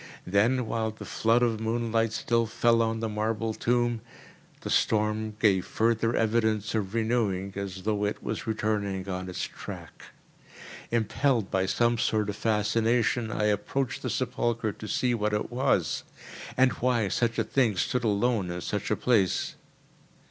Then while the flood of moonlight still fell on the marble tomb, the storm gave further evidence of renewing, as though it was returning on its track. Impelled by some sort of fascination, I approached the sepulchre to see what it was, and why such a thing stood alone in such a place.